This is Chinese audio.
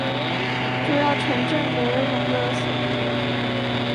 主要城镇为隆勒索涅。